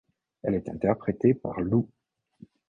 Elle est interprétée par Lou.